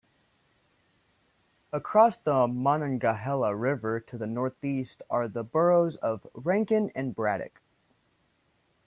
Across the Monongahela River to the northeast are the boroughs of Rankin and Braddock.